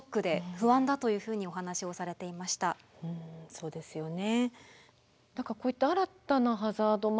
そうですよね。